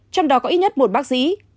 trong đó có ít nhất một bác sĩ